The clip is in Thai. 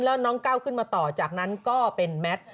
แล้วน้องก้าวขึ้นมาต่อจากนั้นก็เป็นแมท